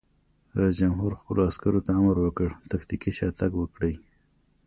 رئیس جمهور خپلو عسکرو ته امر وکړ؛ تکتیکي شاتګ وکړئ!